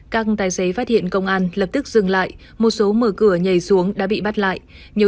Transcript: các tài xế phát hiện công an lập tức dừng lại một số mở cửa nhảy xuống đã bị bắt lại